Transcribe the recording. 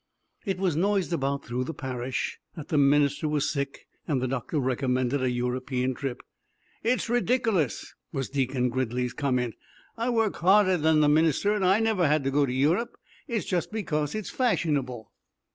It was noised about through the parish that the minister was sick, and the doctor recommended a European trip. "It's ridikilus," was Deacon Gridley's comment. "I work harder than the minister, and I never had to go to Europe. It's just because it's fashionable."